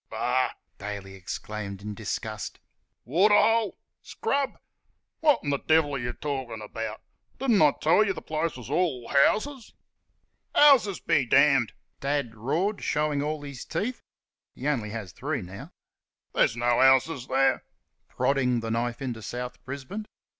"Bah!" Daly exclaimed in disgust "waterhole! ... scrub! ... Wot'n th' devil 're y' talkin' about? Don't I tell y' th' place is all houses!" "Houses be d d!" Dad roared, showing all his teeth (he only has three now), "there's no houses there" (prodding the knife into South Brisbane).